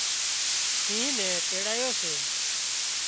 شينهن نين تيڙايو سي